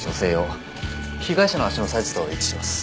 被害者の足のサイズと一致します。